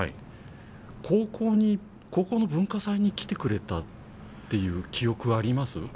高校に高校の文化祭に来てくれたっていう記憶あります？